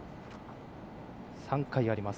３回あります。